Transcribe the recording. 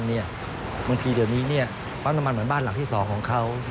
บางทีเดี๋ยวนี้ปั๊มน้ำมันเหมือนบ้านหลังที่๒ของเขา